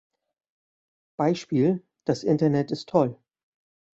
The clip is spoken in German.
Beispiel: „Das Internet ist toll“.